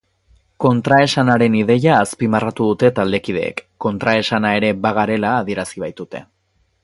Kontraesanaren ideia azpimarratu dute taldekideek, kontraesana ere bagarela adierazi baitute.